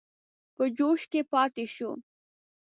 په جوش کې پاته شو.